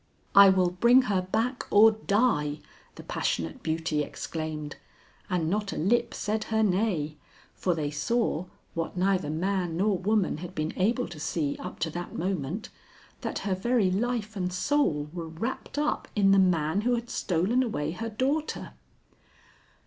"'I will bring her back or die!' the passionate beauty exclaimed, and not a lip said her nay, for they saw, what neither man nor woman had been able to see up to that moment, that her very life and soul were wrapped up in the man who had stolen away her daughter.